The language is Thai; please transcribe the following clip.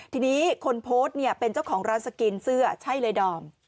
ทีนี้คนโพสต์เนี่ยเป็นเจ้าของร้านสกินเสื้อใช่เลยดอม